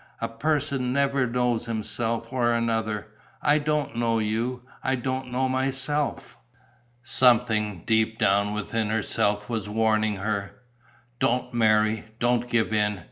"A person never knows himself or another. I don't know you, I don't know myself." Something deep down within herself was warning her: "Don't marry, don't give in.